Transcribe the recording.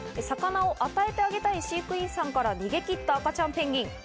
魚を与えてあげたい飼育員さんから逃げ切った赤ちゃんペンギン。